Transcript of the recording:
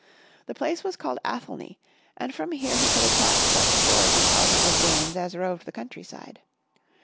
The place was called Athelney and from here he could attack such foraging parties of Danes as roved the countryside.